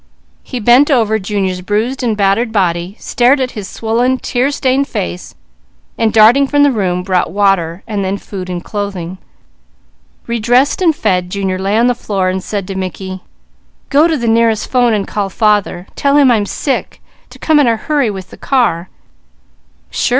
He bent over Junior's bruised and battered body, stared at his swollen, tear stained face, and darting from the room, brought water, and then food and clothing. Redressed and fed, Junior lay on the floor and said to Mickey: "Go to the nearest 'phone and call father. Tell him I'm sick, to come in a hurry with the car." "Sure!"